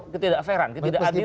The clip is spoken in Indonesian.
ketidak fairan ketidak adilan